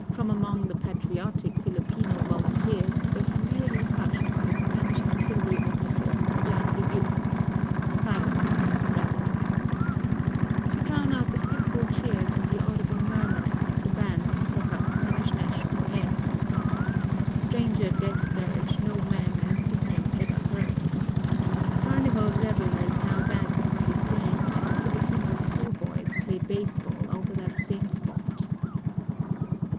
_" from among the "patriotic" Filipino volunteers were summarily hushed by a Spanish artillery officer's stern rebuke: "Silence, you rabble!" To drown out the fitful cheers and the audible murmurs, the bands struck up Spanish national airs. Stranger death dirge no man and system ever had. Carnival revelers now dance about the scene and Filipino schoolboys play baseball over that same spot.